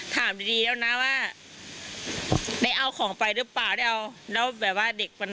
ถามดีดีแล้วนะว่าได้เอาของไปหรือเปล่าได้เอาแล้วแบบว่าเด็กมัน